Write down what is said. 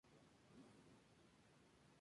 Se multiplica por semilla y vegetativamente.